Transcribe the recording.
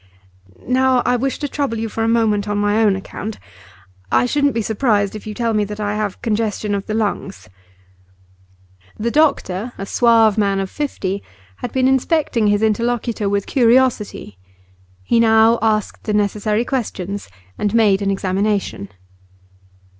'Now I wish to trouble you for a moment on my own account. I shouldn't be surprised if you tell me that I have congestion of the lungs.' The doctor, a suave man of fifty, had been inspecting his interlocutor with curiosity. He now asked the necessary questions, and made an examination.